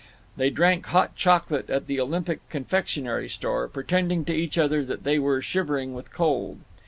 They drank hot chocolate at the Olympic Confectionery Store, pretending to each other that they were shivering with cold.